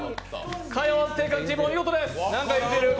火曜安定感チーム、お見事です。